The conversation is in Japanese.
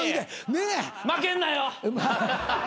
負けんなよ